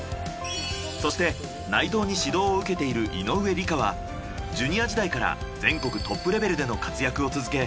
そして内藤に指導を受けている井上莉花はジュニア時代から全国トップレベルでの活躍を続け